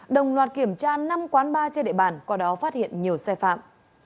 đồng loạt kiểm tra năm quán ba trên đệ bản qua đó phát hiện nhiều xe phạm